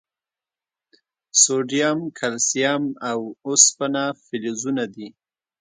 سوډیم، کلسیم، او اوسپنه فلزونه دي.